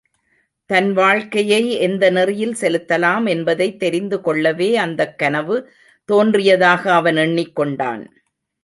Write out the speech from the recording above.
தன் வாழ்க்கையை எந்த நெறியில் செலுத்தலாம் என்பதைத் தெரிந்துகொள்ளவே அந்தக் கனவு தோன்றியதாக அவன் எண்ணிக்கொண்டான்.